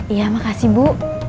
iya makasih bu